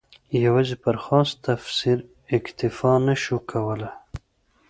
یوازې پر خاص تفسیر اکتفا نه شو کولای.